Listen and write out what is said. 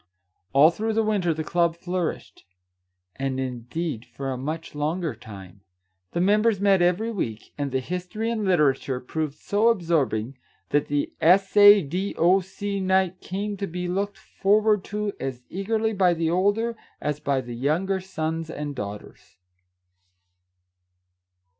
All through the winter the club flourished, and indeed for a much longer time. The members met every week, and the history and literature proved so absorbing that the S. A. D. O. C. night came to be looked forward to as eagerly by the older as by the younger sons and daughters.